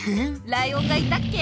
ライオンがいたっけ？